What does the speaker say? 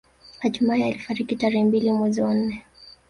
Hatimae alifariki tarehe mbili mwezi wa nne